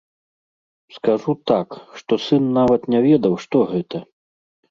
Скажу так, што сын нават не ведаў, што гэта.